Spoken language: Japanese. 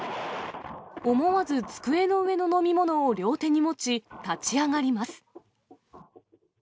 思わず机の上の飲み物を両手に持ち、立ち上がります。